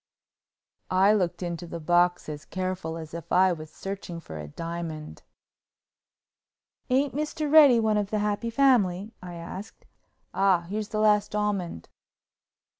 I looked into the box as careful as if I was searching for a diamond. "Ain't Mr. Reddy one of the happy family?" I asked. "Ah, here's the last almond!"